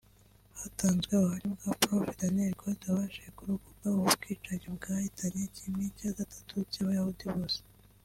Hatanzwe ubuhamya bwa Prof Daniel Gold wabashije kurokoka ubu bwicanyi bwahitanye kimwe cya gatatu cy’Abayahudi bose